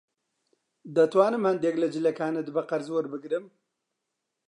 دەتوانم هەندێک لە جلەکانت بە قەرز وەربگرم؟